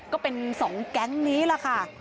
ก็เป็น๒แก๊งนี้แหละค่ะ